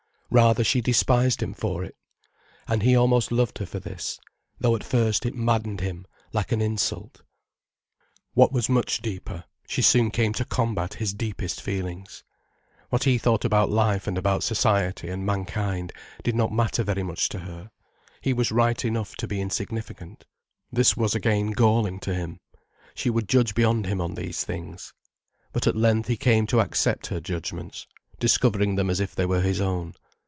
Rather she despised him for it. And he almost loved her for this, though at first it maddened him like an insult. What was much deeper, she soon came to combat his deepest feelings. What he thought about life and about society and mankind did not matter very much to her: he was right enough to be insignificant. This was again galling to him. She would judge beyond him on these things. But at length he came to accept her judgments, discovering them as if they were his own.